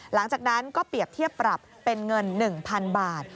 หลังจากนั้นก็เปรียบเทียบปรับเป็นเงิน๑๐๐๐บาท